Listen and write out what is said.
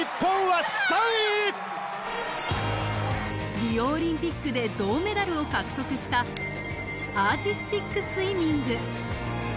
リオオリンピックで銅メダルを獲得したアーティスティックスイミング。